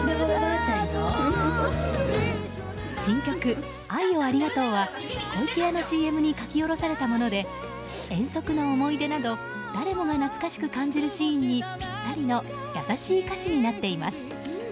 新曲「愛をありがとう」は湖池屋のＣＭに書き下ろされたもので遠足の思い出など誰もが懐かしく感じるシーンにぴったりの優しい歌詞になっています。